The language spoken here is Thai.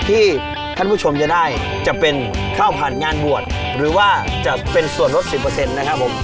ที่ท่านผู้ชมจะได้จะเป็นเข้าผ่านงานบวชหรือว่าจะเป็นส่วนลดสิบเปอร์เซ็นต์นะครับผม